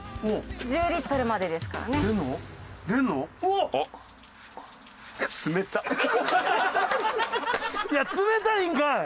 おっ！いや冷たいんかい！